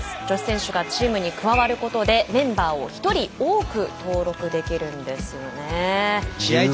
女子選手がチームに加わることでメンバーを１人多く登録できるんですね。